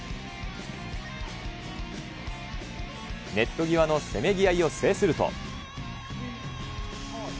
ネット際のせめぎ合いを制すると。